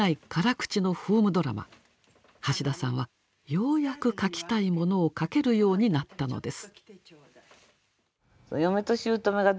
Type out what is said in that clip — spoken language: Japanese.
橋田さんはようやく書きたいものを書けるようになったのです。